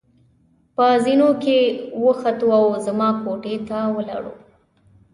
په زېنو کې وختو او زما کوټې ته ولاړو.